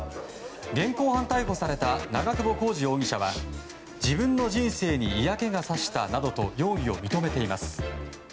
現行犯逮捕された長久保浩二容疑者は自分の人生に嫌気がさしたなどと容疑を認めています。